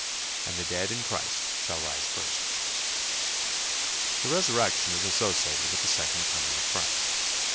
and the dead in Christ shall rise first." The resurrection is associated with the second coming of Christ.